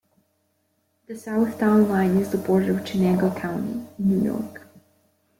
The south town line is the border of Chenango County, New York.